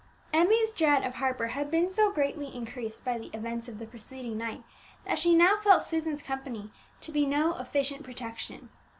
Emmie's dread of Harper had been so greatly increased by the events of the preceding night, that she now felt Susan's company to be no efficient protection.